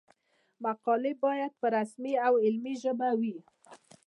مقالې باید په رسمي او علمي ژبه وي.